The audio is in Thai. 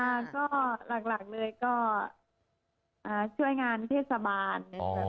อ่าก็หลังเลยก็ช่วยงานเทศบาล